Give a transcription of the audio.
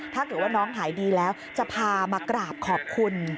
ถ้าเกิดว่าน้องหายดีแล้วจะพามากราบขอบคุณ